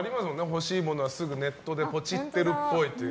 欲しい物はすぐネットでポチってるっぽい。